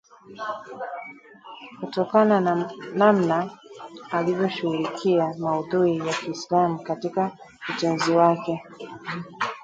Kutokana na namna alivyoshughulikia maudhui ya Kiislamu katika utenzi wake